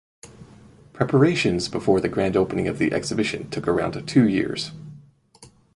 Preparations before the grand opening of the exhibition took around two years.